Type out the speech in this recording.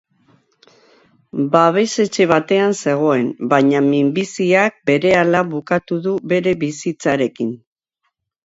Babes-etxe batean zegoen, baina minbiziak berehala bukatu du bere bizitzarekin.